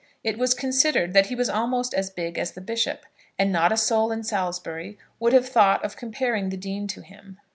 It was considered that he was almost as big as the bishop, and not a soul in Salisbury would have thought of comparing the dean to him.